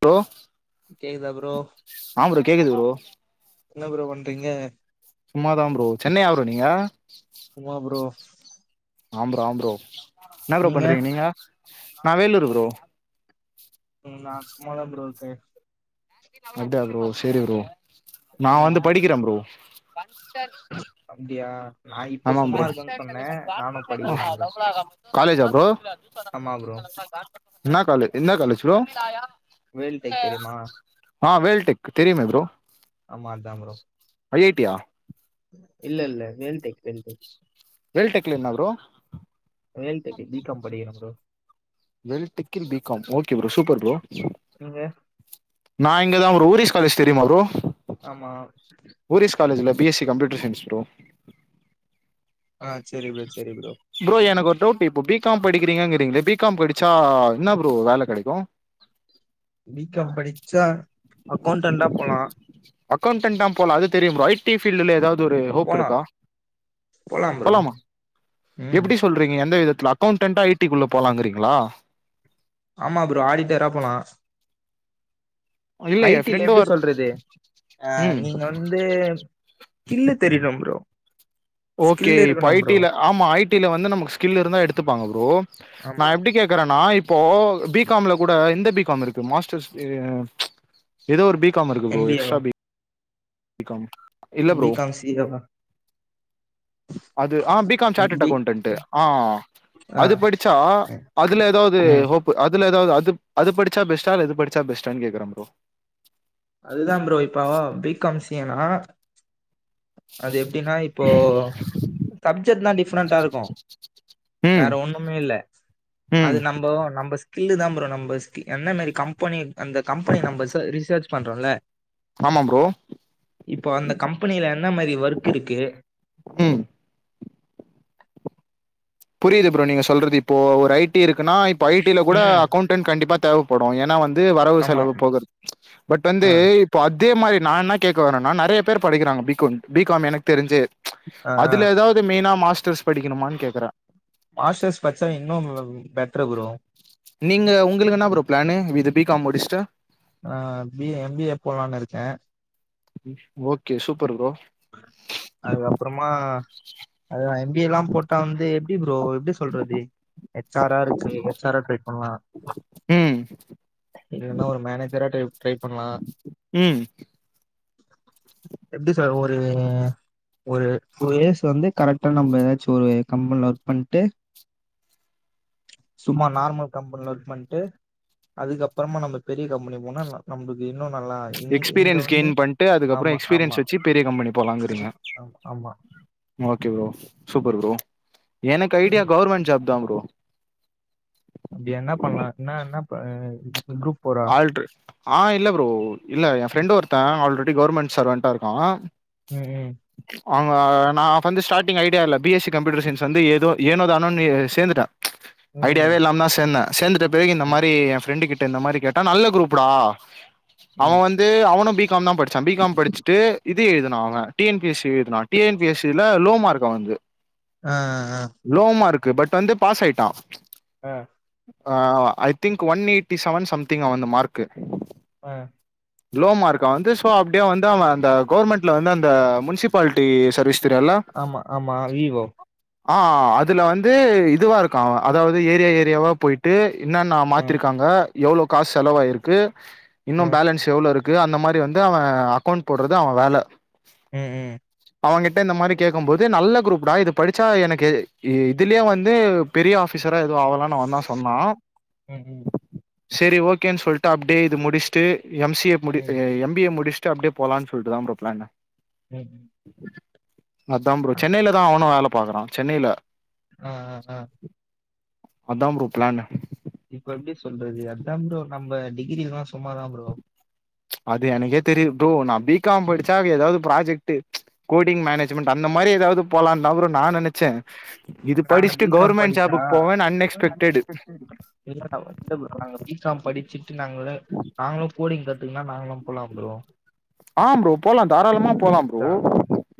Bro கேக்குதா bro ஆ bro கேக்குது ப்ரோ என்ன ப்ரோ பண்றீங்க சும்மாதா ப்ரோ சென்னையா ஊரு நீங்க ஆமா ப்ரோ ஆம் ப்ரோ ஆம் பரோ என்ன ப்ரோ பண்றீங்க நீங்க நா வேலூர் ப்ரோ ம் நா சும்மாதா ப்ரோ இருக்கே அப்டியா ப்ரோ சேரி ப்ரோ நா ம் வந்து படிக்கிற ப்ரோ அப்டியா நா இப்ப ஆமா சும்மா ப்ரோ இருக்கேன்னு சொன்னே நானு படிக்கிற ப்ரோ காலேஜா ப்ரோ ஆமா ப்ரோ என்ன காலேஜ் என்ன காலேஜ் ப்ரோ வேல் டேக் தெரியுமா? ஆ வேல்டெக் தெரியுமே ப்ரோ ஆமா அதா ப்ரோ ஐ ஐ டி யா இல்லல்ல வேல்டெக் வேல்டெக் வேல்டெக்ல என்ன ப்ரோ வேல்டெக்கு பி காம் படிக்கிற ப்ரோ வேல் டெக்கில் B com okay bro super bro நீங்க நா இங்கதா ஒரு ஓரிஸ் காலேஜ் தெரியுமா ப்ரோ? ஆமா ஓரிஸ் காலேஜ்ல B S C computer science bro ஆ சேரி ப்ரோ சேரி ப்ரோ ப்ரோ எனக்கு ஒரு டவுட் இப்போ பி காம் படிக்கிறீங்களே பி காம் படிச்சா என்ன ப்ரோ வேல கெடைக்கு பி காம் படிச்சா அக்கௌண்டன்னா போலா அக்கௌண்டன்னா போல அது தெரியு ப்ரோ ஐ டி பீல்டுல ஏதாவது அது ஒரு ஹோப் போலா இருக்கா? போலா ப்ரோ போலாமா ம் எப்டி சொல்றீங்க எந்த விதத்துல அக்கௌண்டன்னா ஐ டி க்குள்ள போலாங்கிறீங்களா ஆமா ப்ரோ ஆடிட்டரா போலா இல்ல ஐ என் டி ல ஃப்ரெண்டு எப்டி ஒரு சொல்றது ஆ ம் நீங்க வந்து கிள்ளு தெரியனு ப்ரோ ஓகே ஸ்கில் இப்ப இருக்கணு ஐ டி ப்ரோ ல ஆமா ஐ டி ல வந்து நமக்கு ஸ்கில் இருந்தா எடுத்துப்பாங்க ப்ரோ நா ஆமா எப்டி கே க்கறனா இப்போ பி காம் ல கூட இந்த பி காம் இருக்கு மாஸ்டர்ஸ் ஏதோ ஒரு பி காம் இருக்கு ப்ரோ எம்பிஏவா எக்ஸ்ட்ரா பி காம் இல்ல B bro com C A தா அது ஆ B com chartered B accountant ஆ ஆ அது படிச்சா அதுல எதாவது ம் ஹோப் பு அதுல எதாவது அது படிச்சா பெஸ்டா இல்ல இது படிச்சா பெஸ்ட்டானு கேக்குற ப்ரோ அதுதா ப்ரோ இப்ப பி காம் சி ஏ னா அது எப்டின்னா இப்போ சப்ஜெக்ட்லா டிஃப்ரெண்டா இருக்கு ம் வேற ஒண்ணுமே இல்ல ம். அது நம்போ நம்ப ஸ்கில்லு தா ப்ரோ நம்ப என்ன மாரி கம்பெனி அந்த கம்பெனி நம்பர்ஸ் ரிசர்ச் பண்றோல ஆமா ப்ரோ இப்போ அந்த கம்பெனில என்னா மாரி ஒர்க் இருக்கு ம் புரியுது ப்ரோ நீங்க சொல்றது இப்போ ஒரு ஐ டி இருக்குன்னா இப்போ ஐ டி ல கூட ம் அக்கௌண்ட் டன் கண்டிப்பா தேவப்படு ஏன்னா வந்து வரவு ஆமா செலவு போக பட் வந்து ஆ இப்போ அதே மாரி நா என்ன கேக்க வரேன்னா நெறைய பேர் படிக்கறாங்க பி காம் பி காம் எனக்கு தெரிஞ்சே ஆ அதுல எதாவது மெயினா மாஸ்டர்ஸ் படிக்கணுமானு கேக்குறே மாஸ்டர்ஸ் படிச்சா இன்னு பெட்ரு ப்ரோ நீங்க உங்களுக்கு என்ன ப்ரோ பிளானு இது பி காம் முடிஸ்ட்டு ஆ B A M B A போலான்னு இருக்கே ஓகே சூப்பர் ப்ரோ அதுக்கப்றமா அது எம் பி ஏ ல்லா போட்டா வந்து எப்டி ப்ரோ எப்டி சொல்றது ஹெச் ஆர் ஆ இருக்கு ஹெச் ஆரா ட்ரை பண்ணலா ம் இல்லன்னா ஒரு மேனேஜரா ட்ரை பண்ணலா ம். எப்டி சொல்ல ஒரு ஒரு டூ இயர்ஸ் வந்து கரெக்ட்டா நம்ம ஏதாச்சு ஒரு கம்பெனில ஒர்க் பண்ட்டு சும்மா நார்மல் கம்பெனில ஒர்க் பண்ட்டு அதுக்கு அப்றமா நம்ம பெரிய கம்பெனி போனா நம்மளுக்கு இன்னு நல்லா இங் இங்க எக்ஸ்பீரியன்ஸ் வந்து கெயின் பன்ட்டு அதுக்கப்றோ ஆமா ஆமா எஸ்பீரியன்ஸ் வெச்சு பெரிய கம்பெனி போலாங்கிறீங்க ஆமா ஆமா ஓகே ப்ரோ சூப்பர் ப்ரோ எனக்கு ஐடியா கவர்மென்ட் ஜாப் தா ப்ரோ அப்டியா என்ன பண்லா என்ன என்ன குரூப் ஃபோரா ஆல்டு ஆ இல்ல ப்ரோ இல்ல எ ஃப்ரெண்ட் ஒருத்த ஆல்ரெடி கவர்மெண்ட் சர்வென்ட்டா இருக்கா ம் ம் அவங்க நா வந்து ஸ்டாரிங் ஐடியா இல்ல B S C computer science வந்து எதோ ஏனோதானோனு சேந்து ட்ட ம் ஐடியாவே இல்லாம தா சேந்த சேந்தட்ட பிறகு இந்த ம் மாரி எ ஃப்ரெண்டு கிட்ட இந்த மாரி கேட்டா நல்ல குரூப்டா ம் அவன் வந்து அவனு பி காம் தா படிச் ச்சா பி காம் படிச்சுட்டு இது எழுதினா அவன் T N P S C எழுதினா டி என் பி எஸ் சில லோ மார்க்அவந்து ஆ ஆ லோ மார்க் பட் வந்து பாஸ் ஆயிட்டா ஆ ஆ I think one eighty seven something அவன்து மார்க்கு அ லோ மார்க் வந்து சோ அப்டியே வந்து அவன் அந்த கவுர்மெண்ட்ல வந்து அந்த முன்சிபாலிட்டி சர்வீஸ் தெரியல்ல ஆமா ஆமா வீவோ ஆ அதுல வந்து இதுவா இருக்கா அதாவது ஏரியா ஏரியாவா போய் ட்டு என்னன்ன ஆ மாத்திருக்காங்க எவ்ளோ காசு செலவாய்ருக்கு இன்னு ஆ பேலன்ஸ் எவ்ளோ இருக்கு அந்த மாரி வந்து அவ அக்கவுண்ட் போட்றது அவ வேல ம் ம் அவங்கிட்ட இந்த மாரி கேக்கும் போது நல்ல குரூப்டா இது படிச்சா எனக்கு இதுலயே வந்து பெரிய ஆஃ பிசரா எதுவு ஆகலானு அவந்தா சொன்னா ம் ம் சரி ஓகேன்னு சொல்ட்டு அப்டே இது முடிச்சுட்டு எம் சி ஏ ம் முடி ம் எம் பி ஏ முடிச் அப்டே போலான்னு சொல்ட்டுதா இப்ப ப்ளானு ம் அதா ப்ரோ அது சென்னையில தா அவனு வேல பாக்குறா சென்னையில ஆஆ ஆ அதா ப்ரோ பிளான்னு இப்ப எப்டி சொல்றது அதா ப்ரோ நம்ம டிகிரில்லா சும்மாதா ப்ரோ அது எனக்கே தெரி ப்ரோ நா பி காம் படிச்சா எதாவது ப்ராஜெக்ட் கோடிங் மேனஜ்மெண்ட் அந்த மாரி எதாவது போலான்தா நானு நன்ச்சே இது நாங்க படிச்சுட்டு பி காம் கவுர்மெண்ட் படிச்சா ஜாபுக்கு போவனு அன் எக்ஸ்பெக்டட் இ இல்ல ப்ரோ நாங்க பி காம் படிச்சுட்டு நாங்கள நாங்களு கோடிங் கத்துங்கன்னா நாங்களு போலாம் ப்ரோ ஆ ப்ரோ போலா தாராளமா போலா ப்ரோ அதா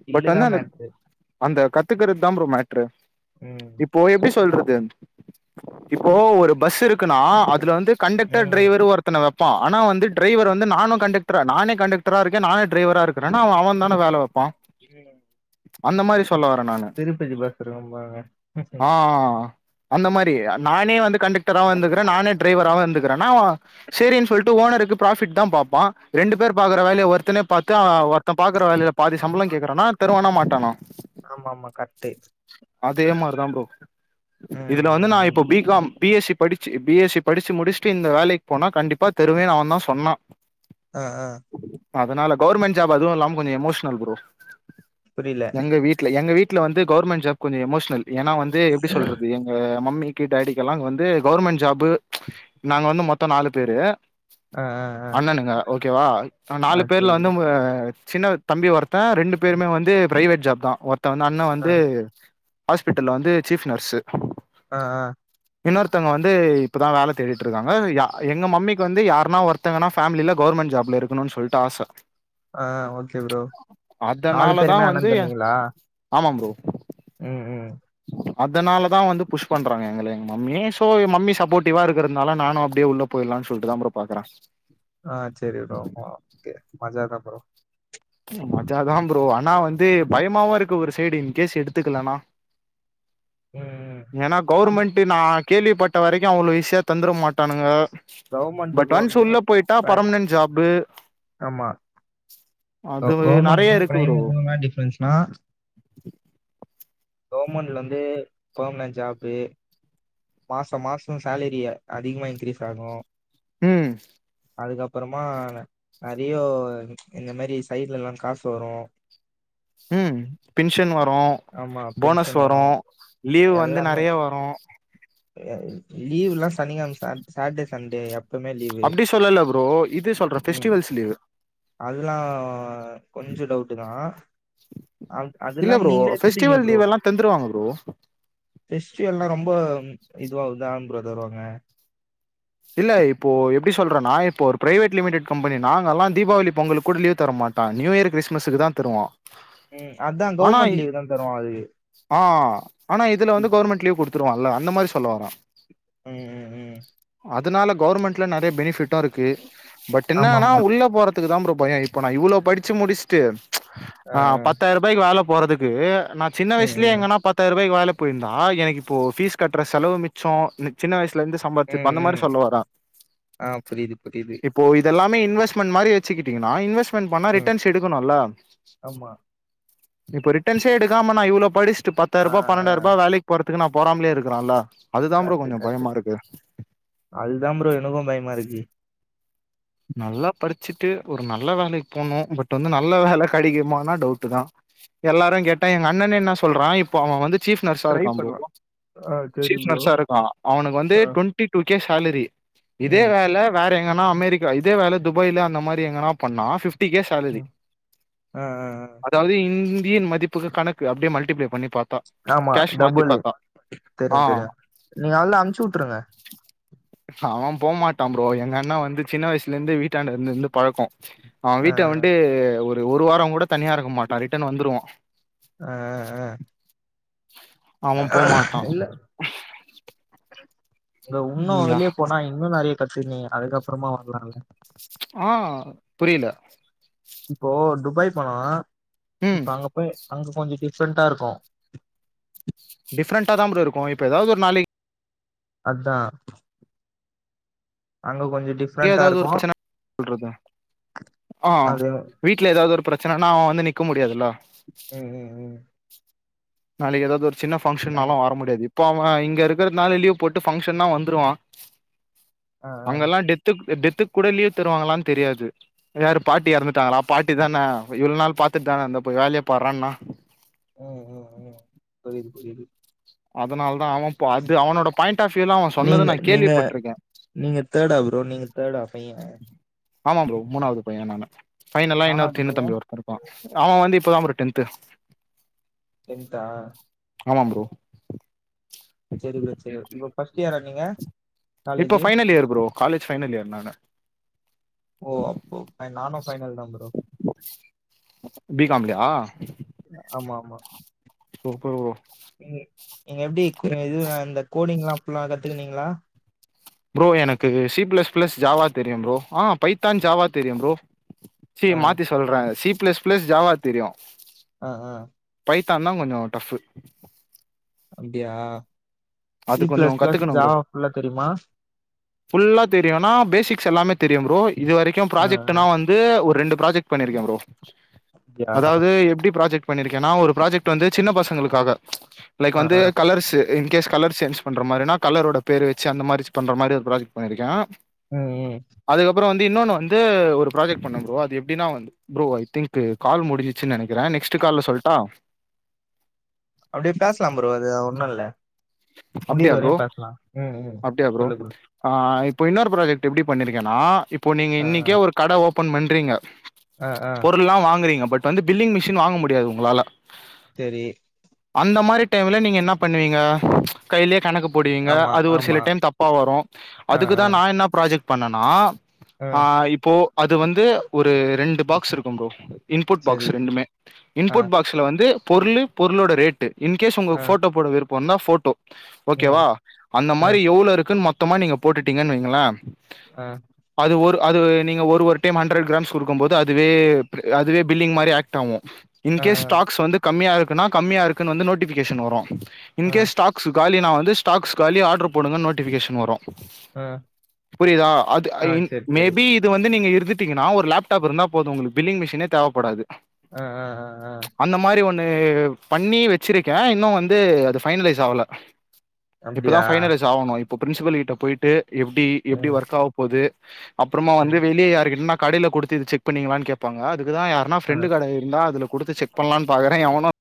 ஸ்கில்லுதா அனா அந்த மேட்ரு. அந்த கத்துக்கறது தா ப்ரோ மேட்ரு ம் இப்போ எப்டி சொல்றது இப்போ ஒரு பஸ் இருக்குனா அதுல வந்து கண்டக்டர் ம் டிரைவரு ஒரு பண்ண வப்பா ஆனா வந்து டிரைவர் வந்து நானு கண்டெக்ட்ரு நானே கண்டெக் ட்ரா இருக்க நானு டிரவரா இருக்கறனு அவ அவ தான வேல வப்பா ம் அந்த மாரி சொல்ல வர நானு திருப்பதி பஸ் இருக்கும் ஆமாங்க ஆ அந்த மாரி நானே வந்து கண்டெக்டராவு இருந்துக்கற நானே டிரைவராவு இருந்துகறனா சரின்னு சொல்ட்டு ஓனருக்கு ப்ராஃபிட் தா பாப்பா ரெண்டு பேர் பாக்க ற வேலைய ஒருத்தனே பாத்தா ஒருத்தன் பாக்ற வேலைய பாதி சம்பளோ கேக்கறனா தருவானா மாட்டானா ஆமா ஆமா கரெக்டு அதே மாதிரிதா ப்ரோ ம் இதுல வந்து ம் நா ம் இப்போ பிகாம் பிஎஸ்சி படிச்சு பிஎஸ்சி படிசி முடிச்சுட்டு இந்த வேலைக்கு போனா கண்டிப்பா தெருவே அவ தா சொன்னா ஆ ஆ அதனால கவுவர்மெண்ட் ஜாப் அதுவு இல்லாம கொஞ்ச எமோஷனல் ப்ரோ புரில. எங்க வீட்ல எங்க வீட்ல வந்து கவுவர்மெண்ட் ஜாப் கொஞ்ச எமோஷனல் ஏன்னா வந்து எப்டி சொல்றது மம்மிக்கு டேடிக்குல்லா வந்து கவர்மெண்ட் ஜாப் நாங்க வந்து மொத்தம் நாலு பேரு ஆ ஆ ஆ அண்ணனுங்க ஓகே வா ஆ நாலு சரி பேர்ல வந்து ப்ரோ. சின்ன தம்பி ஒருத்தே ரெண்டு பேருமே வந்து பிரைவேட் ஜாப் தா ஒருத்தன் வந்து அண்ணா ஆ வந்து ஹாஸ்பிட்டல்ல வந்து சீஃப் நர்சு ஆ இன்னொருத்தவங்க வந்து இப்பதா வேலை தேடிட்டு இருக்காங்க எங்க மம்மிக்கு வந்து யாருன்னா ஒருத்த இத்தங்கன்னா ஃபேமில கவர்மெண்ட் ஜாப்ல இருக்கணும்னு சொல்லிட்டு ஆச ஆ ஓகே ப்ரோ நாலு அதனால தா பேருமே அண்ண வந்து தம்பிகளா ஆமா ப்ரோ ம் அதனால தா வந்து புஷ் பண்றாங்க எங்கள எங்க மம்மி சோ மம்மி சப்போர்டிவா இருக்கிறதுனால நானு அப்டியே உள்ள போயிர்லா சொல்டு தா ப்ரோ பாக்குறே ஆ சேரி ஓகே மஜாதா ப்ரோ மஜாதா ப்ரோ ஆனா வந்து பயம் மாவு இருக்கு ஒரு சைடுங் இன்கேஸ் எடுத்துக்கலனா ம் ம். ஏன்னா நம் கவுவர்மெண்ட் டு நா கேள்விப்பட்ட வரைக்கு அவ்ளோ இஷியா தந்துர மாட்டானுங்க பட் கவர்மெண்ட்டுக்கும் ஒன்ஸ் அ உள்ள போயிட்டா பெர்மனெண்ட் ஜாப்பு ஆமா கோ அது கவெர்மென்ட்க்கு நெறைய இருக்கு ப்ரோ பிரைவேட்க்கு என்னா டிஃபரென்ஸ் நா கவர்மெண்ட்ல வந்து பர்மனன்ட் ஜாப்பு மாசம் மாசம் சேலரிய அதிகமா இன்கிரீஸ் ஆகு ம் அதுக்கப்புறமா அதியோ இந்த மாரி சைடுல எல்லா காசு வரு ம் பின்ஷன் வரு ஆமா போனஸ் பென்ஷன் வரு வரும் லீவ் வந்து நெறையா வரு லீவுல்லா சனி கிழம் ச சாட்டர்டே சண்டே அப் அப்டி சொல்லல ப்ரோ இது சொல்ற ம் ஃபஸ்டிவல்ஸ் லீவு அதெல்லா கொஞ்சோ டவுட்டு தா அம் இல்ல அதெல்லாம் ப்ரோ நீங்ளே எடுத்துப்பீங்க ஃபெஸ்டிவல் ப்ரோ லீவ் எல்லா தந்துருவாங்க ப்ரோ பெஸ்டிவல்லா ரொம்ப இதுவாதா ப்ரோ தருவாங்க இல்ல இப்போ எப்டி சொல்றேன்னா இப்போ ஒரு பிரைவேட் லிமிட்டட் கம்பெனி நாங்கல்லா தீபாவளி பொங்கலுக்கு கூட லீவ் தரமாட் டா நியூர் கிர்ஸ்மஸ்க்கு தா தருவா அதா ஆனா கவுர்மெண்ட் லீவு தா தருவா அதுக்கு ஆ ஆனா இதுல வந்து கவர்மெண்ட் லீவ் குடுத்துருவான்ல அந்த மாரி சொல்ல வாரே ம் ம் ம் அதுனால கவுவர்மெண்ட்ல நெறைய பெனிஃபிட்டா இருக்கு பட் ஆமா என்னன்னா ஆமா உள்ள போறதுக் துக்கு தா ப்ரோ பயம் இப்ப நா இவ்ளோ படிச்சு முடிச்சுட்டு ஆ பத்தாயிரம் ரூபாய்க்கு வேல போறதுக்கு நா சின்ன ம் வயசுலயே ம் எங்கனா பத் பத்தாயிரூபாய்க்கு வேல போயிருந்தா எனக்கு இப்போ பீஸ் கட்டுற செலவு மிச்ச எனக்கு சின்ன வயசலிருந்து சம்ப ம் ம் ஆ புரிது புரிது இப்போ இதெல்லாமே இன்வெஸ்ட்மெண்ட் மாரி வச்சுக்கிட்டீங்கன்னா இன்வெஸ்ட்மெண்ட் பண்ணா ம் ரிட்டன்ஸ் எடுக்கணுல்ல ஆமா இப்ப ரிட்டன்ஸே எடுக்காம நா இவ்ளோ படிச்சிட்டு ஆ பத்தாயிர்பா ஆ பன்னன்டாயிர்பா வேலைக்கு போறத்துக்கு நா போறாமலே இருக்கிறாலா கர்ட்டு கர்ட்டு அதுதா ப்ரோ எனக்கு பயமா இருக்கு நல்லா படிச்சிட்டு ஒரு நல்ல வேலைக்கு போனு பட் வந்து நல்ல வேல கெடைக்குமனா டவுட்தா எல்லாரு கேட்டா எங்க அண்ணனே என்னா சொல்றா இப்போ அவ வந்து சீப் நர்ஸா ட்ரை இருக்கா ப்ரோ பண்லா ஆ சரி சீப் ப்ரோ நர்ஸா இருக்கா அவனுக்கு வந்து ஆ டுவெண்ட்டி டூ கே சேலரி இதே ம் வேல வேற எங்கனா அமெரிக் கா இதே வேல துபாயில அந்த மாரி எங்கனா பண்ணா பிப்டி கே சேலரி ம். ஆ ஆ ஆ அத் தாது இந்தியன் மதிப்புக்கு கணக்கு அப்டியே மல்டிப்ளே பண்ணி பாத்தா ஆமா கேஷ் மாத்தி டபுலு பாத்தா ஆ தெரியு தெரியு நீங்க அதுல அமுச்சுட்ருங்க அவ போமாட்டா ப்ரோ எங்க அண்ணா வந்து சின்ன வயசுல இருந்து வீட்டாண்ட இருந்து இருந்து பழக்கோ அவ ஆ வீட்ட வன்ட்டு ஒரு ஒரு வார கூட தனியா இருக்க மாட்டா ரிட்டன் வந்துருவா ஆ அவ ஆ போமாட்டா இல்ல இல்ல இன்னு ம் யா வெளிய போனா இன்னு நெறைய கத்துக்குவிங்க அதுக்கப்றமா வர்லால ஆ புரிது இப்போ துபாய் போனா ம் இப்போ அங்க போய் அங்க கொஞ்ச டிஃப்ரெண்ட்டா இருக்கு டிஃப்ரெண்டா தா ப்ரோ இருக்கு இப்ப எதாது ஒரு நாளைக் அதா அங்க கொஞ்ச டிப் இங்கே எதாது ஒரு பிரச்சன சொல்றது ஆ அது வீட்ல எதாது ஒரு பிரச்சனனா அவ வந்து நிக்க முடியாதுல்ல ம் ம் ம் நாளைக்கு எதாது ஒரு சின்ன நை ஃபங்கஷன்னாலு வர முடியாது இப்ப அவ இங்க இருக்கிறதுனால லீவு போட்டு பங்க்ஷன்னா வந்துருவா ஆ ஆ அங்கெல்லா டெத் த்து டெத்துக்கு கூட லீவ் தருவாங்களான் தெரியாது யாரு பாட்டி எறந்துட்டாங்களா பாட்டி தானே இவ்ள நாள் பாத்துட்டு தானே இருந்த போய் வேலய பார்றானா ம் ம் ம் புரிது புரிது அதனால தா அவ இப்ப அது அவனோட பாயிண்ட் ஆஃப்யூல அவ சொன்னது நீங்க நா நீங்க கேள்விப்பட்ருக்கே நீங்க தேடா ப்ரோ நீங்க தேடா பைய ஆமா ப்ரோ மூணாது பைய நானு பைனல்லா இன்னொரு நாலாவது பைய சின்னத்தம்பி ஒருத்தே இருக்கா அவ வந்து இப்பதா ப்ரோ டென்த்து டென்தா ஆமா ப்ரோ சேரி ப்ரோ சேரி இப்ப ஃபர்ஸ்ட்டு இயரா நீங்க இப்ப college final year bro college final year நானு ஓ அப்போ நானு ஃப்பைனல் தா ப்ரோ பி காம்லயா ஆமாம் சூப்பர் ப்ரோ நீங்க நீங்க எப்டி இது அந்த கோடிங்லா அப்பில்லா கத்துக்கினீங்களா ப்ரோ எனக்கு சி பிளஸ் பிளஸ் ஜாவா தெரியு ப்ரோ ஆ பைத்தான் ஜாவா தெரியு ப்ரோ சி ஆ மாத்தி சொல்றே சி பிளஸ் பிளஸ் ஜாவா தெரியு ஆ ஆ பைத்தான் தா கொஞ்சோ டஃபு அப்டியா சி அது கொஞ்சோ ப்ளஸ் ப்ளஸ் கத்துக்கணு ப்ரோ ஜாவா புல்லா தெரியுமா ஃபுல்லா தெரியுனா பேசிக்ஸ் எல்லாமே தெரியு ப்ரோ இது வரைக்கோ ஆ ஆ ப்ராஜெக்ட்னா வந்து ஒரு ரெண்டு ப்ராஜெக்ட் பண்ணியிருக்கே ப்ரோ அப்டியா அதாவது எப்டி ப்ராஜெக்ட் பண்ணியிருக்கேன்னா ஒரு ப்ராஜெக்ட் வந்து சின்ன பசங்களுக்காக லைக் ஆ வந்து ஆ கலர்ஸ் கேஸ் கலர் சேஞ்ச் பண்ற மாதிரினா கலரோட பேர் வச்ச அந்த மாரி பண்ற மாதி ஒரு ப்ராஜெக்ட் பண்ணிருக்கே ம் ம் அதுக்கப்புறோ வந்து இன்னொன்னு வந்து ஒரு ப்ராஜெக்ட் பண்னே ப்ரோ அது எப்டினா வந் ப்ரோ ஐ திங்க் கால் முடிஞ்சுச்சு நினைக்கிறே நெக்ஸ்ட் கால்ல சொல்லட்டா அப்படியே பேசலா ப்ரோ அது ஒண்ணு இல்ல அப்டியா முடிர் ப்ரோ வரையு பேசலா ம் ம் சொல்லு ப்ரோ ஆ இப்போ இன்னொரு ப்ராஜெக்ட் எப்டி பண்ணிருக்கேன்னா இப்போ நீங்க ஆ இன்னைக்கே ஒரு கட ஓப்பன் பண்றீங்க அ அ பொருலா வாங்றிங்க பட் வந்து டில்லிங் மிஷின் வாங்க முடியாது உங்களால தேரீ அந்த மாரி டைம்ல நீங்க என்ன பண்ணுவீங்க கையிலே கணக்கு போடுவீங்க ஆமா அது ஒரு சில ஆமா டைம் தப்பா வறோ ஆ அதுக்குதா ஆ நா என்ன ப்ராஜெக்ட் பண்ணன்னா ஆ இப்போ அது வந்து ஒரு ரெண்டு பாக்ஸ் இருக்கோ ப்ரோ இன்புட் பாக்ஸ் செரி ரெண்டுமே ஆ இன்புட் பாக்ஸ்ல வந்து பொருளு பொருளோட இன் கேஸ் உங்க ஆ போட்டோ போட விருப்பருந்தா போட்டோ ம் ஓகேவா அந்த ஆ மாரி எவ்ளோ இருக்கு மொத்த மொத்தமா நீங்க போட்டுட்டீங்கன்னு வைங்கள ஆ அது ஒரு அது நீங்க ஒரு ஒரு டைம் ஹண்ட்ரட் கிராம்ஸ் கொடுக்கு போது அதுவே அதுவே பில்லிங் மாரி அக்ட் ஆகு இன் ஆ கேஸ் ஸ்டாக்ஸ் வந்து கம்மிய இருக்குன்னா கம்மியா இருக்குன்ன வந்து நோட்டிபிகேஷன் வரும் in ah ah case stocks காலி நா வந்து ஸாடக்கு காலி ஆர்டர் போடுங்க நோட்டஃபி கேஷன் வரும் ஆ புரியுதா அது ஆ செரி செரி மேபி வந்து நீங்க இருட்டீங்கன்னா ஒரு லேப்டாப் இருந்தா போதும் உங்களுக்கு பில்லி் மிஷினே தேவப்படாது ஆ ஆ அ அந்த மாதிரி ஒண்ணு பண்ணி வச்சிருக்கே இன்னும் வந்து அது ஃபைனலைஸ் ஆகல இப்பதா அப்டியா பைனலைஸ் ஆகணும் இப்போ பிரின்சில் கிட்ட போயிட்டு எப்படி எப்படி ம் ஒர்க்காவு போது அப்புறமா வந்து ம் வெளியே யாருக்கிட்டனா கடைல கொடுத்து இது செக் பண்ணிக்கங்களான்னு கேடப்பாங்க அதுக்குதான் ய ஆனா ஆ ஃப்ரெண்டு கட இருந்தா அதுல கொடுத்து செக் பண்ணலான்னு பாக்குற எவனும்